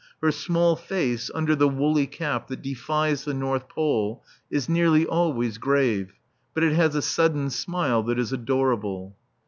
Her small face, under the woolly cap that defies the North Pole, is nearly always grave; but it has a sudden smile that is adorable.